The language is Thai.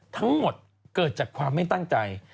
ทั้งหมดเกิดจากความไม่ตั้งใจ